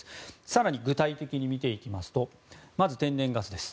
更に具体的に見ていきますとまず天然ガスです。